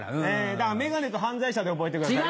だから眼鏡と犯罪者で覚えてくださいね。